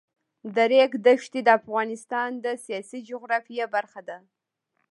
د ریګ دښتې د افغانستان د سیاسي جغرافیه برخه ده.